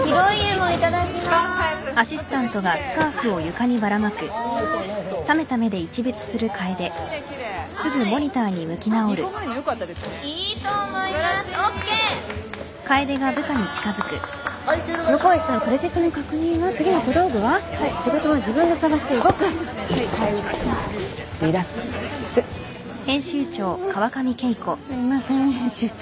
もうすいません編集長。